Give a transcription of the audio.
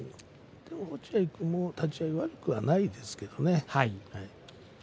落合君も立ち合い悪くはないですけれどね。